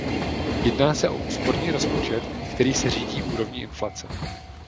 Jedná se o úsporný rozpočet, který se řídí úrovní inflace.